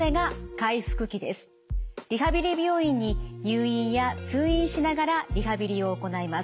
リハビリ病院に入院や通院しながらリハビリを行います。